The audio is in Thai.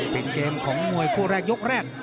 เป็นเกมของมวยคู่แรกยกแรก